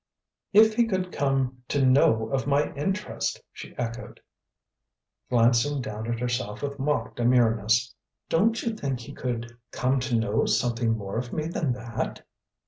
"If he could come to know of my interest!" she echoed, glancing down at herself with mock demureness. "Don't you think he could come to know something more of me than that?"